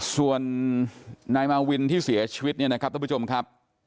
ส่วนนายมาวินที่เสียชีวิตครับคุณผู้ชมครับ